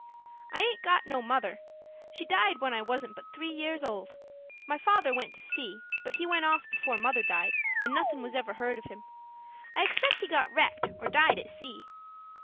"I aint got no mother. She died when I wasn't but three years old. My father went to sea; but he went off before mother died, and nothin' was ever heard of him. I expect he got wrecked, or died at sea."